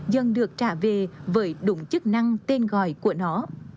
dần được trả về với đúng chức năng tên gọi của nó